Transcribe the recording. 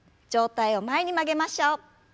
上体を前に曲げましょう。